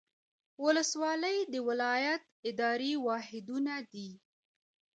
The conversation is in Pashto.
ولسوالۍ د ولایت اداري واحدونه دي